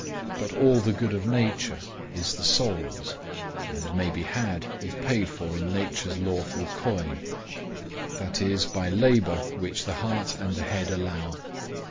But all the good of nature is the soul's, and may be had if paid for in nature's lawful coin, that is, by labor which the heart and the head allow.